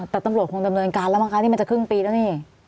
แต่ตำรวจคงดำเนินการแล้วมั้งคะนี่มันจะครึ่งปีแล้วนี่